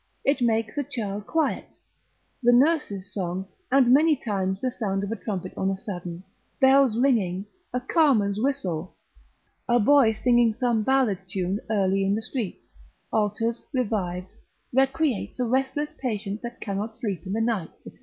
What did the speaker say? It makes a child quiet, the nurse's song, and many times the sound of a trumpet on a sudden, bells ringing, a carman's whistle, a boy singing some ballad tune early in the streets, alters, revives, recreates a restless patient that cannot sleep in the night, &c.